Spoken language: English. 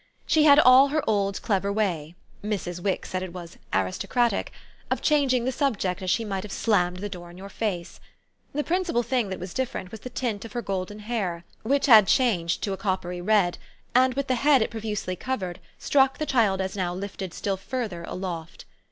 She had all her old clever way Mrs. Wix said it was "aristocratic" of changing the subject as she might have slammed the door in your face. The principal thing that was different was the tint of her golden hair, which had changed to a coppery red and, with the head it profusely covered, struck the child as now lifted still further aloft.